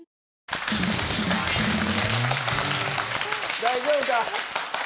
大丈夫か。